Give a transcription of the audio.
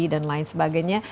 dan lain sebagainya